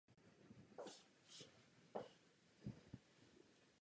Oba měli svá sídla jinde.